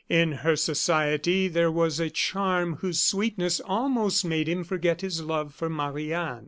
In her society there was a charm whose sweetness almost made him forget his love for Marie Anne.